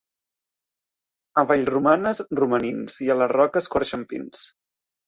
A Vallromanes, romanins, i a la Roca escorxen pins.